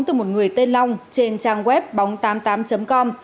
từ một người tên long trên trang web bóng tám mươi tám com